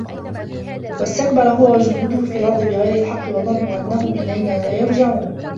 وَاستَكبَرَ هُوَ وَجُنودُهُ فِي الأَرضِ بِغَيرِ الحَقِّ وَظَنّوا أَنَّهُم إِلَينا لا يُرجَعونَ